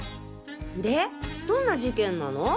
でどんな事件なの？